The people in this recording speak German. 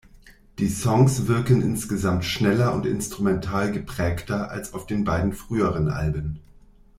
Die Songs wirken insgesamt schneller und instrumental geprägter als auf den beiden früheren Alben.